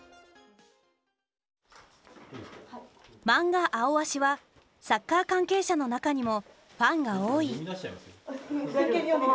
マンガ「アオアシ」はサッカー関係者の中にもファンが多い。